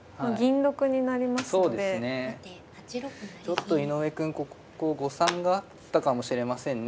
ちょっと井上くんここ誤算があったかもしれませんね。